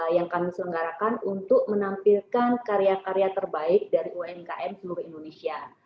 yang kami selenggarakan untuk menampilkan karya karya terbaik dari umkm seluruh indonesia